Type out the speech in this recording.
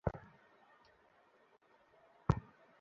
তোমার লজ্জাশরম করে না?